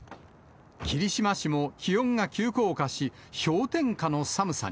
霧島市も気温が急降下し、氷点下の寒さに。